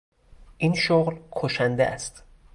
این شغل کشنده است.